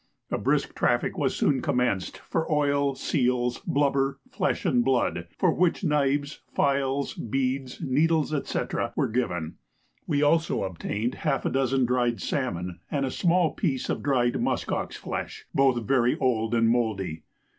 A brisk traffic was soon commenced for oil, seals, blubber, flesh and blood, for which knives, files, beads, needles, &c. were given. We also obtained half a dozen dried salmon and a small piece of dried musk ox flesh, both very old and mouldy.